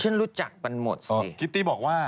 ฉันรู้จักมันหมดสิ